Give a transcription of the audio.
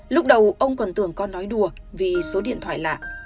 lúc đầu ông còn tưởng con nói đùa vì số điện thoại lạ